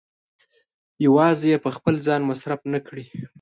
يوازې يې په خپل ځان مصرف نه کړي.